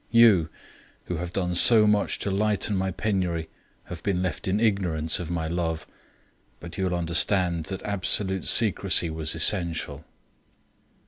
You, who have done so much to lighten my penury, have been left in ignorance of my love; but you will understand that absolute secrecy was essential.